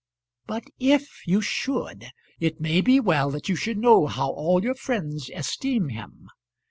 "But if you should, it may be well that you should know how all your friends esteem him.